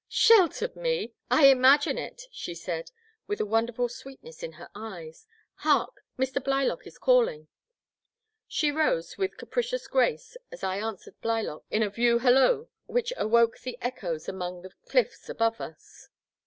'* Sheltered me! I imagine it !she said, with a wonderful sweetness in her eyes. Hark ! Mr. Blylock is calling !She rose with capricious grace as I answered The Black Water. 1 75 Blylock in a view halloo which awoke the echoes among the cliffs above us.